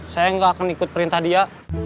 saya nggak akan ikut perintah dia